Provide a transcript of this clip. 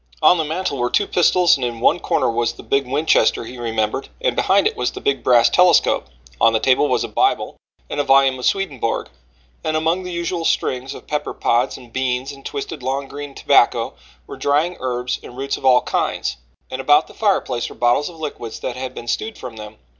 On the mantel were two pistols and in one corner was the big Winchester he remembered and behind it was the big brass telescope. On the table was a Bible and a volume of Swedenborg, and among the usual strings of pepper pods and beans and twisted long green tobacco were drying herbs and roots of all kinds, and about the fireplace were bottles of liquids that had been stewed from them.